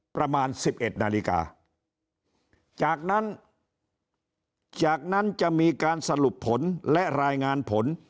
ประมาณ๑๑นาฬิกาจากนั้นจากนั้นจะมีการสรุปผลและรายงานผล